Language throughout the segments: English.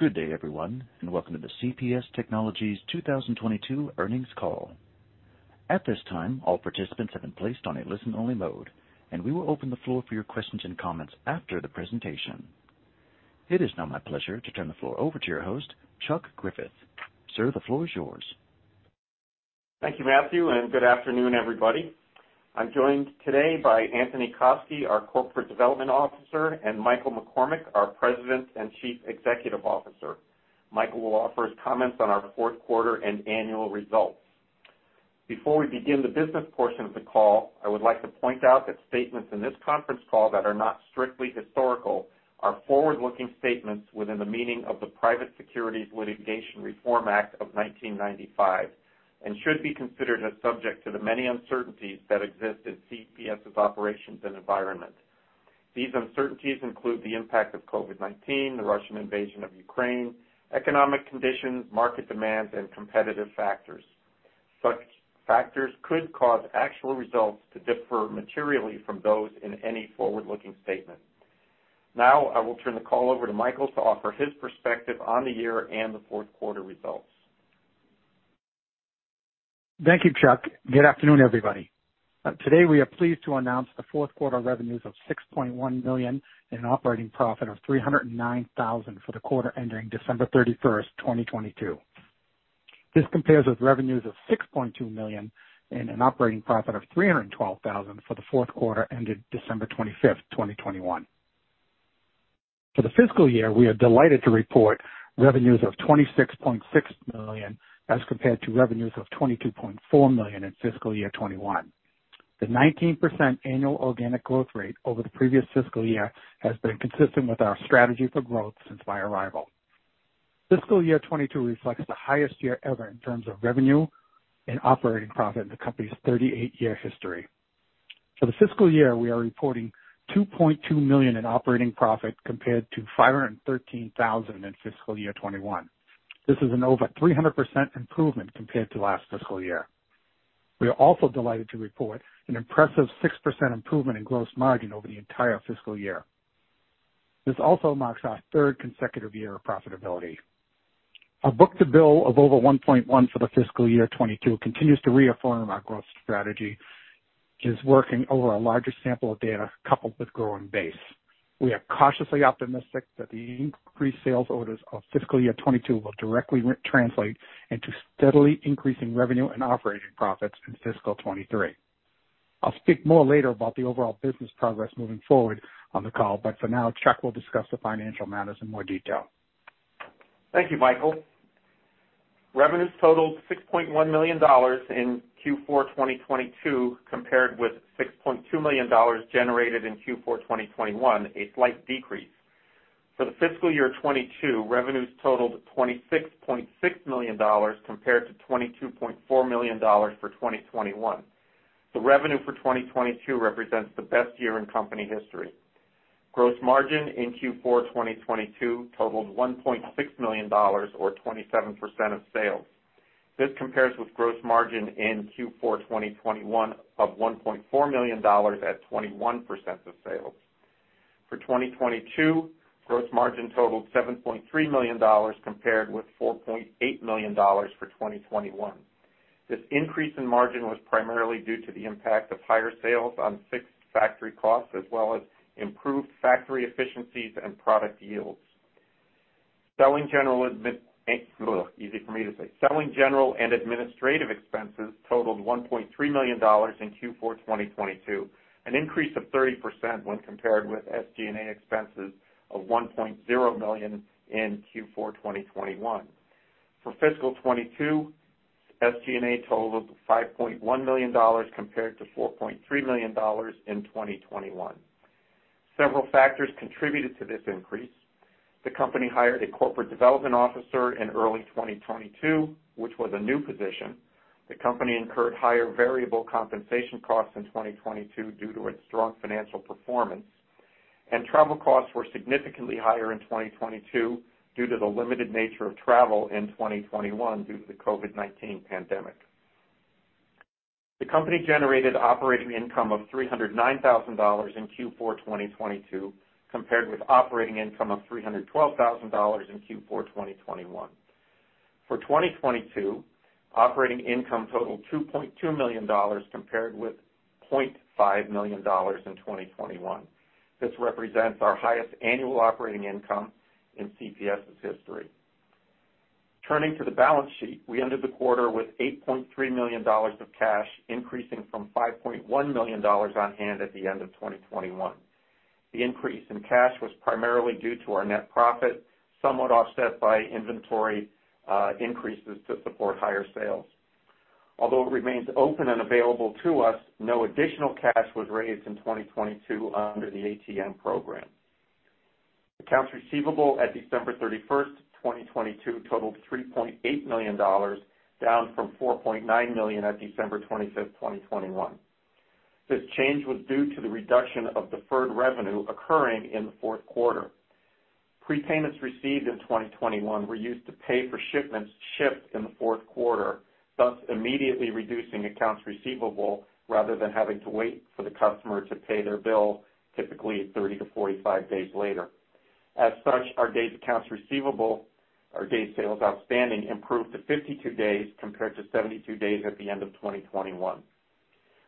Good day, everyone. Welcome to the CPS Technologies 2022 earnings call. At this time, all participants have been placed on a listen-only mode, and we will open the floor for your questions and comments after the presentation. It is now my pleasure to turn the floor over to your host, Chuck Griffith. Sir, the floor is yours. Thank you, Matthew, and good afternoon, everybody. I'm joined today by Anthony Koski, our Corporate Development Officer, and Michael McCormack, our President and Chief Executive Officer. Michael will offer his comments on our fourth quarter and annual results. Before we begin the business portion of the call, I would like to point out that statements in this conference call that are not strictly historical are forward-looking statements within the meaning of the Private Securities Litigation Reform Act of 1995 and should be considered as subject to the many uncertainties that exist in CPS's operations and environment. These uncertainties include the impact of COVID-19, the Russian invasion of Ukraine, economic conditions, market demands, and competitive factors. Such factors could cause actual results to differ materially from those in any forward-looking statement. Now, I will turn the call over to Michael to offer his perspective on the year and the fourth quarter results. Thank you, Chuck. Good afternoon, everybody. Today, we are pleased to announce the fourth quarter revenues of $6.1 million and an operating profit of $309,000 for the quarter ending December 31st, 2022. This compares with revenues of $6.2 million and an operating profit of $312,000 for the fourth quarter ended December 25th, 2021. For the fiscal year, we are delighted to report revenues of $26.6 million as compared to revenues of $22.4 million in fiscal year 2021. The 19% annual organic growth rate over the previous fiscal year has been consistent with our strategy for growth since my arrival. Fiscal year 2022 reflects the highest year ever in terms of revenue and operating profit in the company's 38-year history. For the fiscal year, we are reporting $2.2 million in operating profit compared to $513,000 in fiscal year 2021. This is an over 300% improvement compared to last fiscal year. We are also delighted to report an impressive 6% improvement in gross margin over the entire fiscal year. This also marks our third consecutive year of profitability. Our book-to-bill of over 1.1 for the fiscal year 2022 continues to reaffirm our growth strategy is working over a larger sample of data coupled with growing base. We are cautiously optimistic that the increased sales orders of fiscal year 2022 will directly re-translate into steadily increasing revenue and operating profits in fiscal 2023. I'll speak more later about the overall business progress moving forward on the call. For now, Chuck will discuss the financial matters in more detail. Thank you, Michael. Revenues totaled $6.1 million in Q4 2022, compared with $6.2 million generated in Q4 2021, a slight decrease. For the fiscal year 2022, revenues totaled $26.6 million compared to $22.4 million for 2021. The revenue for 2022 represents the best year in company history. Gross margin in Q4 2022 totaled $1.6 million or 27% of sales. This compares with gross margin in Q4 2021 of $1.4 million at 21% of sales. For 2022, gross margin totaled $7.3 million compared with $4.8 million for 2021. This increase in margin was primarily due to the impact of higher sales on fixed factory costs, as well as improved factory efficiencies and product yields. Selling general and administrative expenses totaled $1.3 million in Q4 2022, an increase of 30% when compared with SG&A expenses of $1.0 million in Q4 2021. For fiscal 2022, SG&A totaled $5.1 million compared to $4.3 million in 2021. Several factors contributed to this increase. The company hired a Corporate Development Officer in early 2022, which was a new position. The company incurred higher variable compensation costs in 2022 due to its strong financial performance, and travel costs were significantly higher in 2022 due to the limited nature of travel in 2021 due to the COVID-19 pandemic. The company generated operating income of $309,000 in Q4 2022, compared with operating income of $312,000 in Q4 2021. For 2022, operating income totaled $2.2 million compared with $0.5 million in 2021. This represents our highest annual operating income in CPS's history. Turning to the balance sheet, we ended the quarter with $8.3 million of cash, increasing from $5.1 million on hand at the end of 2021. The increase in cash was primarily due to our net profit, somewhat offset by inventory increases to support higher sales. Although it remains open and available to us, no additional cash was raised in 2022 under the ATM program. Accounts receivable at December 31st, 2022 totaled $3.8 million, down from $4.9 million at December 25th, 2021. This change was due to the reduction of deferred revenue occurring in the fourth quarter. Prepayments received in 2021 were used to pay for shipments shipped in the fourth quarter, thus immediately reducing accounts receivable rather than having to wait for the customer to pay their bill typically 30-45 days later. Our days accounts receivable or days sales outstanding improved to 52 days compared to 72 days at the end of 2021.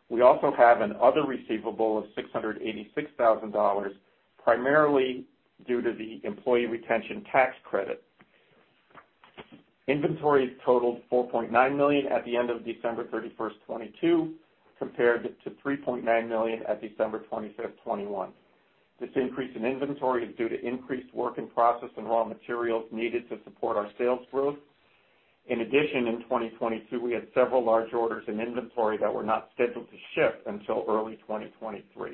We also have an other receivable of $686,000, primarily due to the employee retention tax credit. Inventories totaled $4.9 million at the end of December 31st, 2022, compared to $3.9 million at December 25th, 2021. This increase in inventory is due to increased work in process and raw materials needed to support our sales growth. In addition, in 2022, we had several large orders in inventory that were not scheduled to ship until early 2023.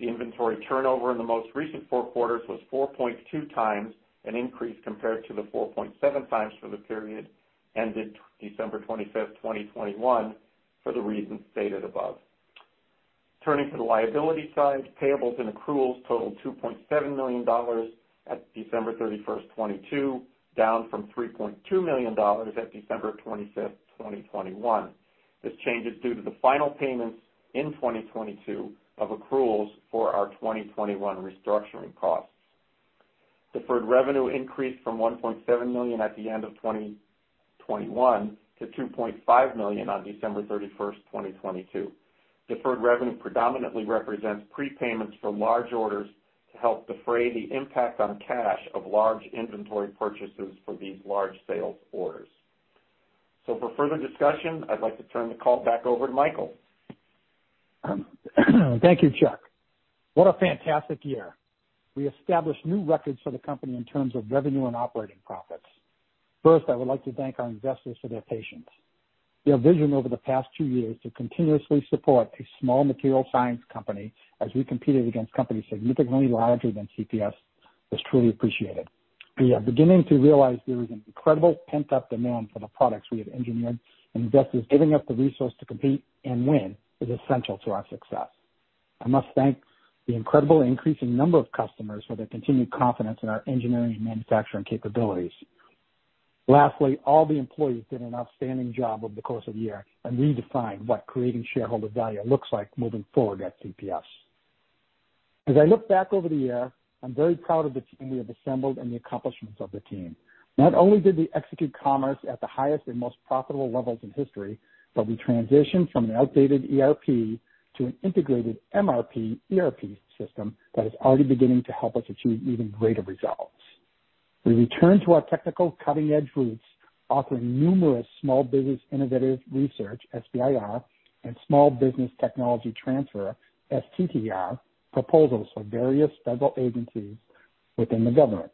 The inventory turnover in the most recent four quarters was 4.2x, an increase compared to the 4.7x for the period ended December 25, 2021, for the reasons stated above. Turning to the liability side, payables and accruals totaled $2.7 million at December 31st, 2022, down from $3.2 million at December 25th, 2021. This change is due to the final payments in 2022 of accruals for our 2021 restructuring costs. Deferred revenue increased from $1.7 million at the end of 2021 to $2.5 million on December 31st, 2022. Deferred revenue predominantly represents prepayments for large orders to help defray the impact on cash of large inventory purchases for these large sales orders. For further discussion, I'd like to turn the call back over to Michael. Thank you, Chuck. What a fantastic year. We established new records for the company in terms of revenue and operating profits. First, I would like to thank our investors for their patience. Their vision over the past two years to continuously support a small material science company as we competed against companies significantly larger than CPS was truly appreciated. We are beginning to realize there is an incredible pent-up demand for the products we have engineered, and investors giving us the resources to compete and win is essential to our success. I must thank the incredible increasing number of customers for their continued confidence in our engineering and manufacturing capabilities. Lastly, all the employees did an outstanding job over the course of the year and redefined what creating shareholder value looks like moving forward at CPS. As I look back over the year, I'm very proud of the team we have assembled and the accomplishments of the team. Not only did we execute commerce at the highest and most profitable levels in history, but we transitioned from an outdated ERP to an integrated MRP/ERP system that is already beginning to help us achieve even greater results. We returned to our technical cutting-edge roots, offering numerous small business innovative research, SBIR, and small business technology transfer, STTR, proposals for various federal agencies within the government.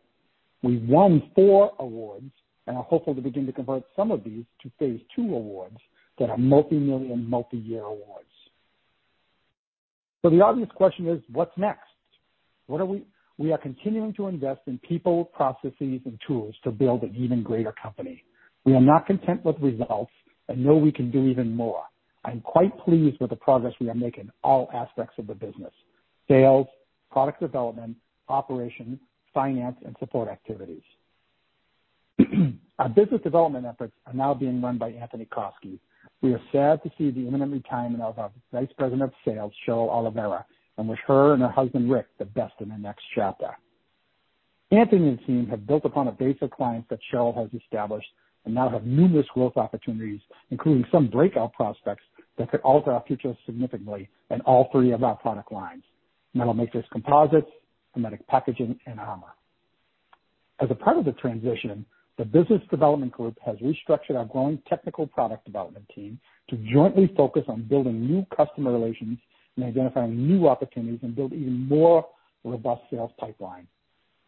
We won four awards and are hopeful to begin to convert some of these to phase II awards that are multi-million, multi-year awards. The obvious question is what's next? We are continuing to invest in people, processes, and tools to build an even greater company. We are not content with results and know we can do even more. I'm quite pleased with the progress we are making in all aspects of the business, sales, product development, operations, finance, and support activities. Our business development efforts are now being run by Anthony Koski. We are sad to see the imminent retirement of our vice president of sales, Cheryl Oliveira, and wish her and her husband, Rick, the best in their next chapter. Anthony and team have built upon a base of clients that Cheryl has established and now have numerous growth opportunities, including some breakout prospects that could alter our future significantly in all three of our product lines, Metal Matrix Composites, hermetic packaging, and armor. As a part of the transition, the business development group has restructured our growing technical product development team to jointly focus on building new customer relations and identifying new opportunities and build even more robust sales pipeline.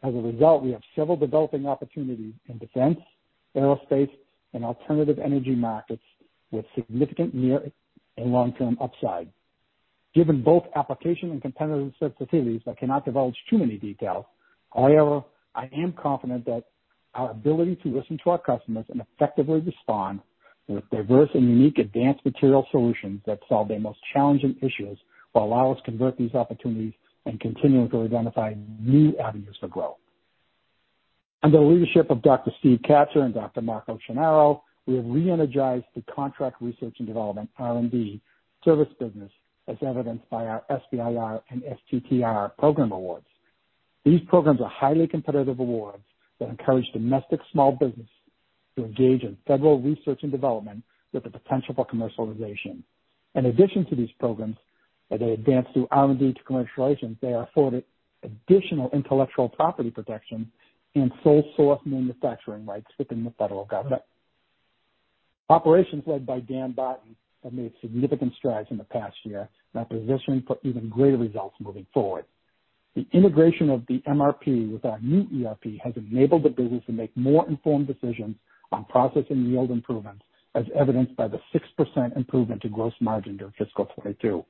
As a result, we have several developing opportunities in defense, aerospace, and alternative energy markets with significant near and long-term upside. Given both application and competitive sensitivities, I cannot divulge too many details. However, I am confident that our ability to listen to our customers and effectively respond with diverse and unique advanced material solutions that solve their most challenging issues will allow us to convert these opportunities and continue to identify new avenues for growth. Under the leadership of Dr. Stephen Kachur and Dr. Marco Shannaro, we have re-energized the contract research and development, R&D, service business as evidenced by our SBIR and STTR program awards. These programs are highly competitive awards that encourage domestic small business to engage in federal research and development with the potential for commercialization. In addition to these programs, as they advance through R&D to commercialization, they are afforded additional intellectual property protection and sole source manufacturing rights within the federal government. Operations led by Dan Barton have made significant strides in the past year and are positioning for even greater results moving forward. The integration of the MRP with our new ERP has enabled the business to make more informed decisions on process and yield improvements, as evidenced by the 6% improvement to gross margin during fiscal 2022.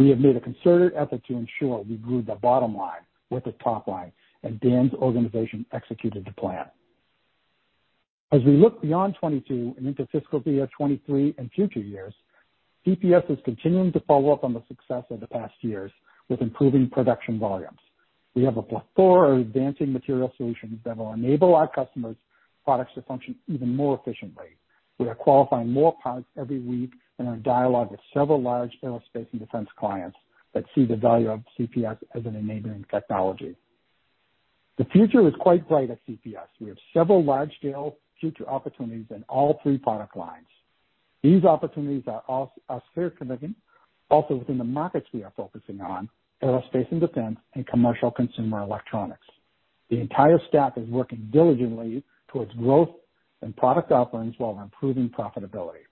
We have made a concerted effort to ensure we grew the bottom line with the top line, and Dan's organization executed the plan. As we look beyond 2022 and into fiscal year 2023 and future years, CPS is continuing to follow up on the success of the past years with improving production volumes. We have a plethora of advancing material solutions that will enable our customers' products to function even more efficiently. We are qualifying more products every week and are in dialogue with several large aerospace and defense clients that see the value of CPS as an enabling technology. The future is quite bright at CPS. We have several large-scale future opportunities in all three product lines. These opportunities are sphere commitment, also within the markets we are focusing on, aerospace and defense and commercial consumer electronics. The entire staff is working diligently towards growth and product offerings while improving profitability.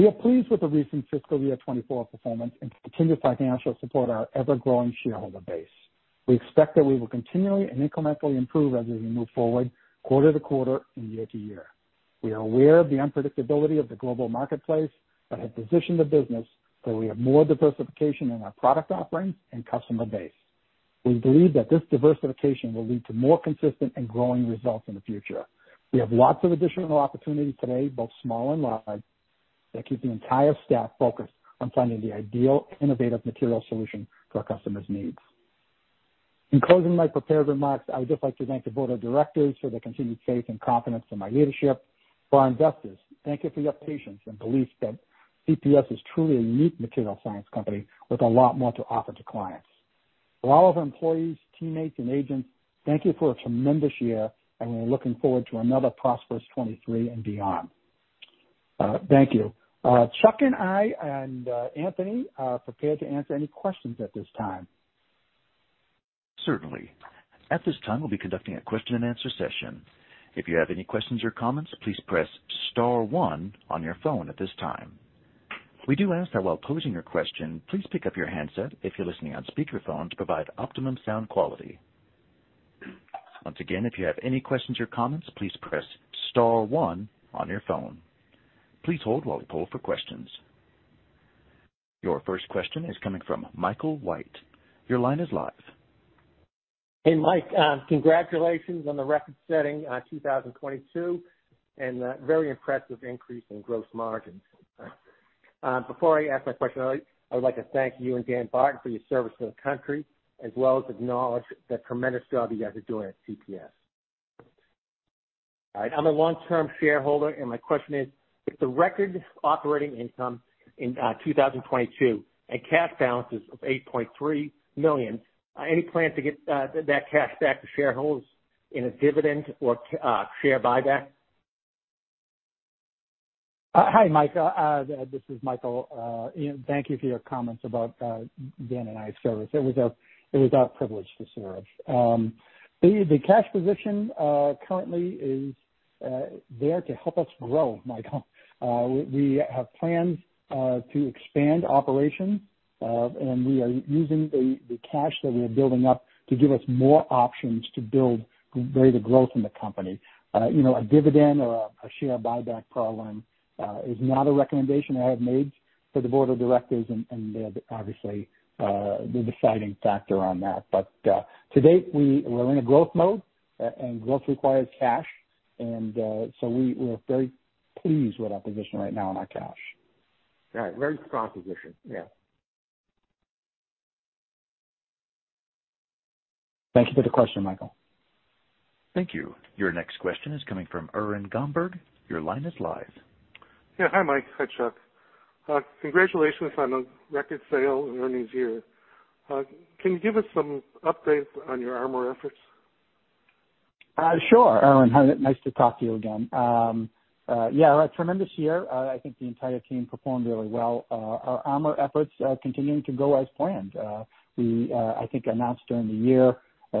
We are pleased with the recent fiscal year 2024 performance and to continue to financially support our ever-growing shareholder base. We expect that we will continually and incrementally improve as we move forward quarter-to-quarter and year-to-year. We are aware of the unpredictability of the global marketplace, but have positioned the business so we have more diversification in our product offerings and customer base. We believe that this diversification will lead to more consistent and growing results in the future. We have lots of additional opportunities today, both small and large, that keep the entire staff focused on finding the ideal innovative material solution for our customers' needs. In closing my prepared remarks, I would just like to thank the board of directors for their continued faith and confidence in my leadership. For our investors, thank you for your patience and belief that CPS is truly a unique material science company with a lot more to offer to clients. For all of our employees, teammates, and agents, thank you for a tremendous year, and we're looking forward to another prosperous 2023 and beyond. Thank you. Chuck and I and Anthony are prepared to answer any questions at this time. Certainly. At this time, we'll be conducting a question-and-answer session. If you have any questions or comments, please press star one on your phone at this time. We do ask that while posing your question, please pick up your handset if you're listening on speakerphone to provide optimum sound quality. Once again, if you have any questions or comments, please press star one on your phone. Please hold while we poll for questions. Your first question is coming from Michael White. Your line is live. Hey, Mike. Congratulations on the record-setting, 2022 and very impressive increase in gross margins. Before I ask my question, I would like to thank you and Dan Barton for your service to the country, as well as acknowledge the tremendous job you guys are doing at CPS. All right. My question is, with the record operating income in, 2022 and cash balances of $8.3 million, any plan to get that cash back to shareholders in a dividend or share buyback? Hi, Mike. This is Michael. Thank you for your comments about Dan and I's service. It was our privilege to serve. The cash position currently is there to help us grow, Michael. We have plans to expand operations, and we are using the cash that we are building up to give us more options to build greater growth in the company. You know, a dividend or a share buyback program is not a recommendation I have made to the board of directors, and they're obviously the deciding factor on that. To date, we're in a growth mode, and growth requires cash. We're very pleased with our position right now on our cash. All right. Very strong position. Yeah. Thank you for the question, Michael. Thank you. Your next question is coming from Erwin Gumberg. Your line is live. Hi, Mike. Hi, Chuck. Congratulations on a record sale and earnings year. Can you give us some updates on your armor efforts? Sure, Erwin. Hi, nice to talk to you again. Yeah, a tremendous year. I think the entire team performed really well. Our armor efforts are continuing to go as planned. We, I think, announced during the year,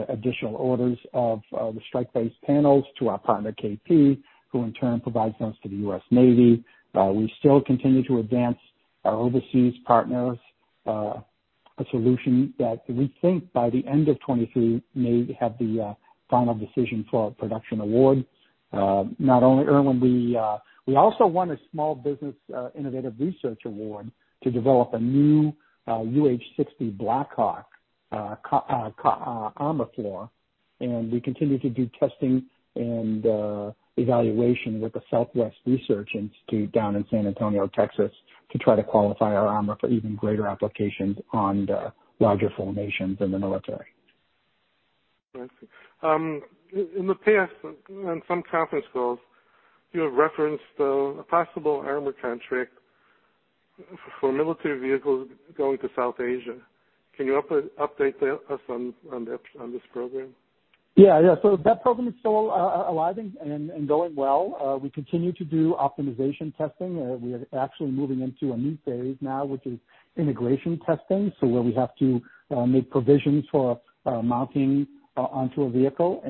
additional orders of the strike-based panels to our partner, KP, who in turn provides those to the US Navy. We still continue to advance our overseas partners, a solution that we think by the end of 2023 may have the final decision for a production award. Not only, Erwin, we also won a small business innovative research award to develop a new UH-60 Black Hawk armor floor. We continue to do testing and evaluation with the Southwest Research Institute down in San Antonio, Texas, to try to qualify our armor for even greater applications on the larger formations in the military. I see. In the past, on some conference calls, you have referenced, a possible armor contract for military vehicles going to South Asia. Can you update us on this program? Yeah. Yeah. That program is still alive and going well. We continue to do optimization testing. We are actually moving into a new phase now, which is integration testing. Where we have to make provisions for mounting onto a vehicle.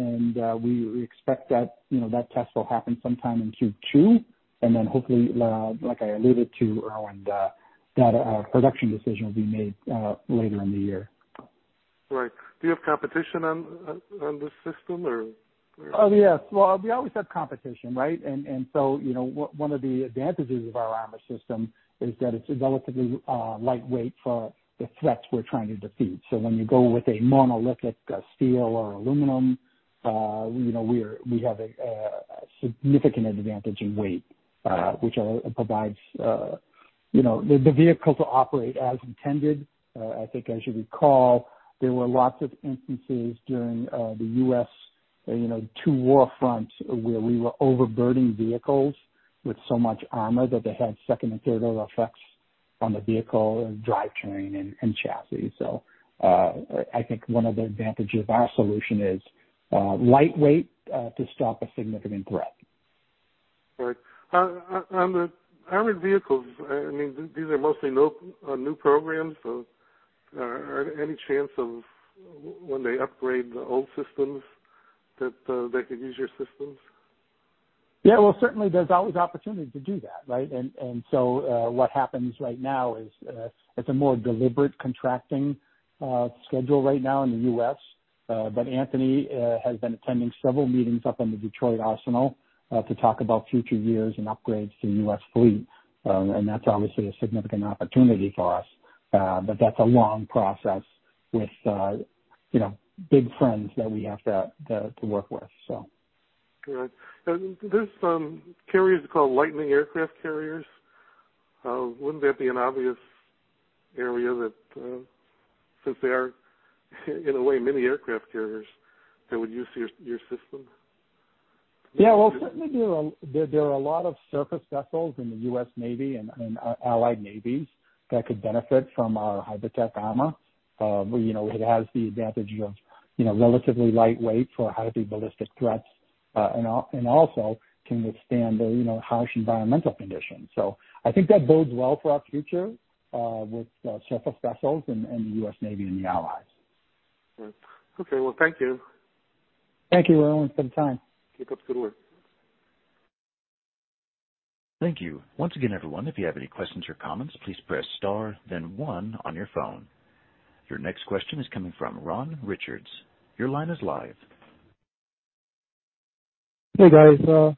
We expect that, you know, that test will happen sometime in Q2. Hopefully, like I alluded to, Erwin, that production decision will be made later in the year. Right. Do you have competition on this system or where are you? Yes. Well, we always have competition, right? You know, one of the advantages of our armor system is that it's relatively lightweight for the threats we're trying to defeat. When you go with a monolithic steel or aluminum, you know, we have a significant advantage in weight, which provides, you know, the vehicles operate as intended. I think as you recall, there were lots of instances during the U.S., you know, two war fronts where we were overburdening vehicles with so much armor that they had second and third order effects on the vehicle and drivetrain and chassis. I think one of the advantages of our solution is lightweight to stop a significant threat. Right. On the armored vehicles, I mean, these are mostly new programs. Any chance of when they upgrade the old systems that they could use your systems? Yeah, well, certainly there's always opportunity to do that, right? What happens right now is, it's a more deliberate contracting schedule right now in the U.S. Anthony has been attending several meetings up in the Detroit Arsenal, to talk about future years and upgrades to U.S. fleet. That's obviously a significant opportunity for us. That's a long process with, you know, big friends that we have to work with, so. Good. there's some carriers called Lightning aircraft carriers. Wouldn't that be an obvious area that, since they are in a way many aircraft carriers that would use your system? Yeah. Well, certainly there are a lot of surface vessels in the US Navy and allied navies that could benefit from our HybridTech Armor. you know, it has the advantage of, you know, relatively lightweight for heavy ballistic threats, and also can withstand the, you know, harsh environmental conditions. I think that bodes well for our future with surface vessels and the US Navy and the allies. Okay. Well, thank you. Thank you, Erwin, for the time. Keep up the good work. Thank you. Once again, everyone, if you have any questions or comments, please press star then one on your phone. Your next question is coming from Ron Richards. Your line is live. Hey, guys. you know,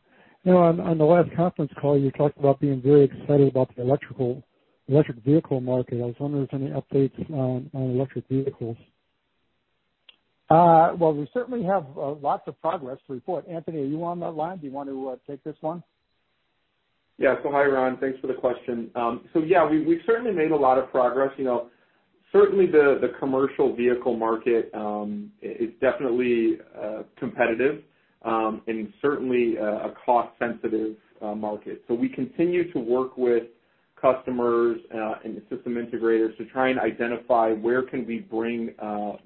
on the last conference call, you talked about being very excited about the electric vehicle market. I was wondering if there's any updates on electric vehicles. Well, we certainly have lots of progress to report. Anthony, are you on that line? Do you want to take this one? Yeah. Hi, Ron. Thanks for the question. Yeah, we've certainly made a lot of progress. You know, certainly the commercial vehicle market is definitely competitive and certainly a cost sensitive market. We continue to work with customers and the system integrators to try and identify where can we bring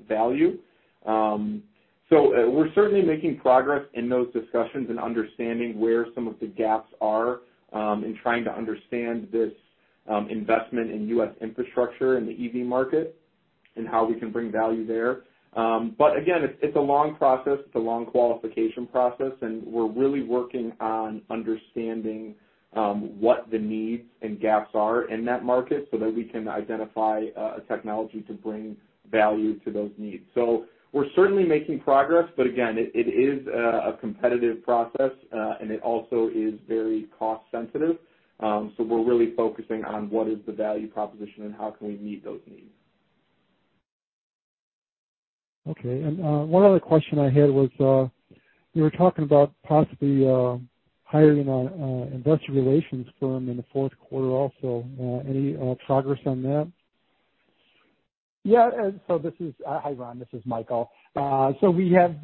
value. We're certainly making progress in those discussions and understanding where some of the gaps are in trying to understand this investment in U.S. infrastructure in the EV market and how we can bring value there. Again, it's a long process. It's a long qualification process, and we're really working on understanding what the needs and gaps are in that market so that we can identify a technology to bring value to those needs. We're certainly making progress, but again, it is a competitive process, and it also is very cost sensitive. We're really focusing on what is the value proposition and how can we meet those needs. Okay. One other question I had was, you were talking about possibly hiring an investor relations firm in the fourth quarter also. Any progress on that? Yeah. Hi, Ron, this is Michael. We have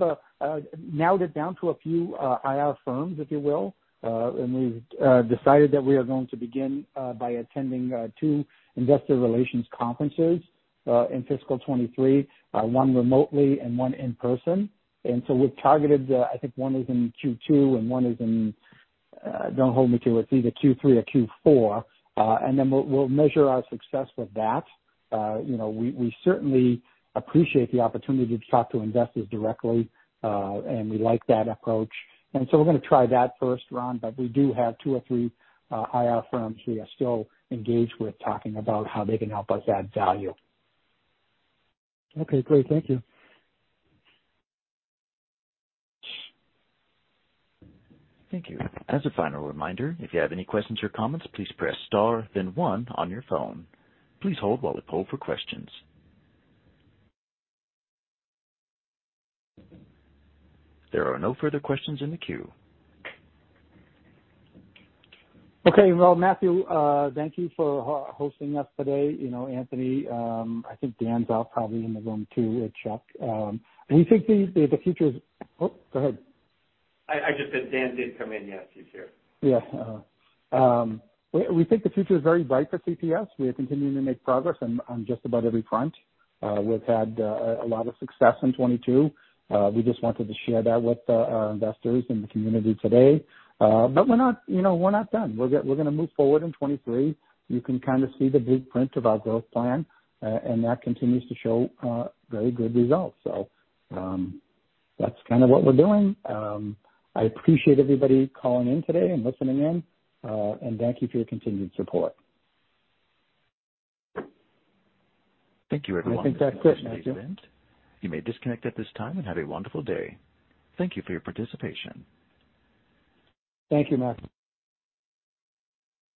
narrowed it down to a few IR firms, if you will. We've decided that we are going to begin by attending two investor relations conferences in fiscal 2023, one remotely and one in person. We've targeted, I think one is in Q2 and one is in, don't hold me to it's either Q3 or Q4. We'll measure our success with that. You know, we certainly appreciate the opportunity to talk to investors directly, and we like that approach. We're gonna try that first, Ron, but we do have two or three IR firms we are still engaged with, talking about how they can help us add value. Okay, great. Thank you. Thank you. As a final reminder, if you have any questions or comments, please press star then one on your phone. Please hold while we poll for questions. There are no further questions in the queue. Okay. Well, Matthew, thank you for hosting us today. You know, Anthony, I think Dan's out probably in the room too, with Chuck. We think the future is. Oh, go ahead. I just said Dan did come in. Yes, he's here. Yeah. We think the future is very bright for CPS. We are continuing to make progress on just about every front. We've had a lot of success in 2022. We just wanted to share that with our investors and the community today. We're not, you know, we're not done. We're gonna move forward in 2023. You can kind of see the big print of our growth plan, and that continues to show very good results. That's kind of what we're doing. I appreciate everybody calling in today and listening in, and thank you for your continued support. Thank you, everyone. I think that's it, Matthew. You may disconnect at this time and have a wonderful day. Thank you for your participation. Thank you, Matt.